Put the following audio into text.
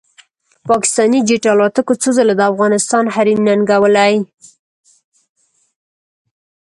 پاکستاني جېټ الوتکو څو ځله د افغانستان حریم ننګولی